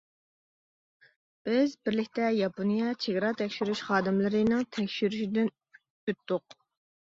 بىز بىرلىكتە ياپونىيە چېگرا تەكشۈرۈش خادىملىرىنىڭ تەكشۈرۈشىدىن ئۆتتۇق.